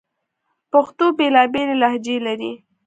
پښتو بیلابیلي لهجې لري